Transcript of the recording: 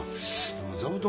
座布団